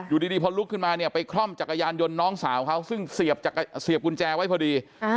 อยู่ดีพอลุกขึ้นมาเนี่ยไปคล่อมจักรยานยนต์น้องสาวเขาซึ่งเสียบกุญแจไว้พอดี